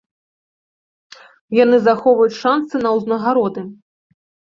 Яны захоўваюць шанцы на ўзнагароды.